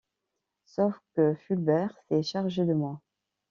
Sauf que Fulbert s’est chargé de moi.